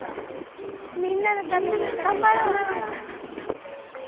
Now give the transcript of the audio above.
みんなのためにがんばろう。